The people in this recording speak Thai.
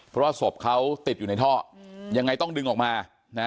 เพราะว่าศพเขาติดอยู่ในท่อยังไงต้องดึงออกมานะ